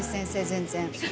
全然。